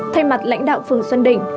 thay mặt lãnh đạo phường xuân đình